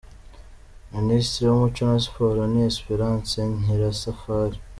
Ministre w’umuco na Sport ni Espérance Nyirasafari